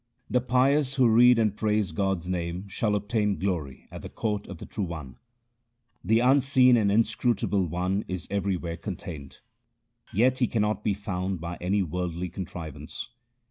The pious who read and praise God's name, shall obtain glory at the court of the True One. The Unseen and Inscrutable One is everywhere contained, Yet He cannot be found by any worldly contrivance.